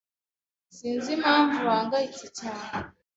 Sinzi impamvu uhangayitse cyane.